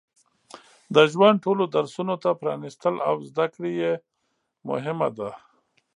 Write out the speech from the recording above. د ژوند ټولو درسونو ته پرانستل او زده کړه یې مهمه ده.